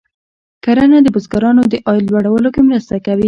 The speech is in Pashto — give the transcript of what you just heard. کرنه د بزګرانو د عاید لوړولو کې مرسته کوي.